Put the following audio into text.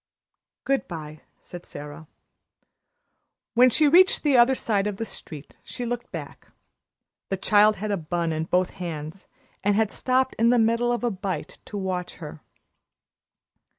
"Good bye," said Sara. When she reached the other side of the street she looked back. The child had a bun in both hands, and had stopped in the middle of a bite to watch her.